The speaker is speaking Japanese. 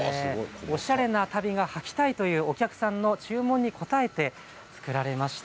おしゃれな足袋がはきたいというお客さんの注文に応えて作られました。